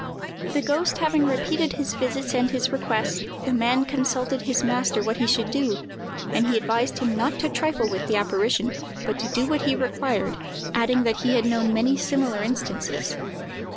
The ghost having repeated his visits and his request, the man consulted his master what he should do, and he advised him not to trifle with the apparition, but to do what he required, adding that he had known many similar instances.